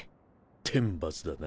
天罰だな。